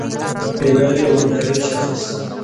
بې لاري او منحرف شخص